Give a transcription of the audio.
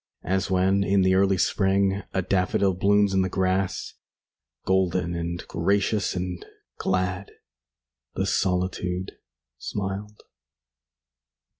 As when, in the early spring, 5 A daffodil blooms in the grass, Golden and gracious and glad, The solitude smiled.